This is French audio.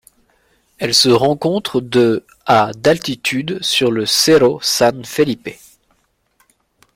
Elle se rencontre de à d'altitude sur le Cerro San Felipe.